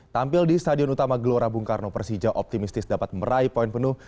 tampil di stadion utama gelora bung karno persija optimistis dapat meraih poin penuh